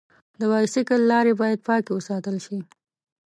د بایسکل لارې باید پاکې وساتل شي.